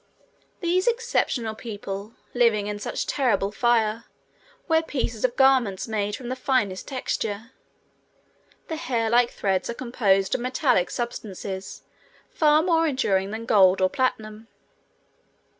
These exceptional people, living in such terrible fire, wear pieces of garments made of the finest texture. The hair like threads are composed of metallic substances far more enduring than gold or platinum.